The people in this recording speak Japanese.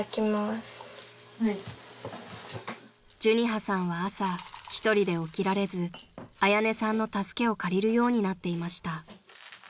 ［寿仁葉さんは朝一人で起きられず彩音さんの助けを借りるようになっていました］